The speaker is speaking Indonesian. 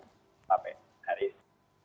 sampai hari ini